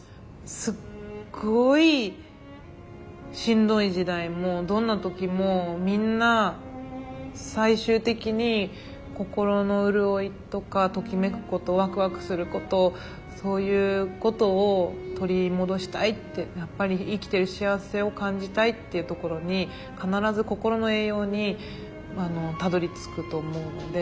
すっごいしんどい時代もどんな時もみんな最終的に心の潤いとかときめくことワクワクすることそういうことを取り戻したいってやっぱり生きてる幸せを感じたいっていうところに必ず心の栄養にたどりつくと思うので。